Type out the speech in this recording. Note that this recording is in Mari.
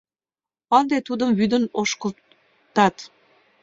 Ынде тудым вӱден ошкылтат.